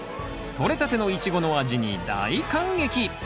とれたてのイチゴの味に大感激！